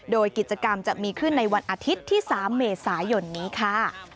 โดยกิจกรรมจะมีขึ้นในวันอาทิตย์ที่๓เมษายนนี้ค่ะ